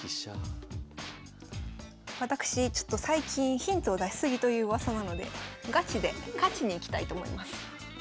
私ちょっと最近ヒントを出し過ぎといううわさなのでガチで勝ちにいきたいと思います。